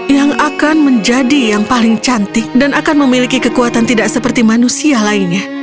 yang akan menjadi yang paling cantik dan akan memiliki kekuatan tidak seperti manusia lainnya